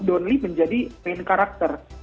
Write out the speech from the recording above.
don lee menjadi main karakter